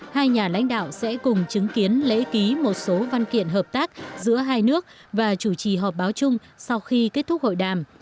hai nhà lãnh đạo sẽ cùng chứng kiến lễ ký một số văn kiện hợp tác giữa hai nước và chủ trì họp báo chung sau khi kết thúc hội đàm